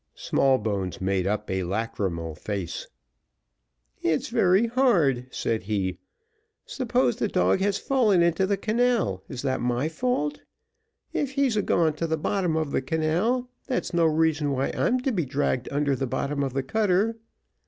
Smallbones made up a lachrymal face. "It's very hard," said he; "suppose the dog has fallen into the canal, is that my fault? If he's a gone to the bottom of the canal, that's no reason why I'm to be dragged under the bottom of the cutter."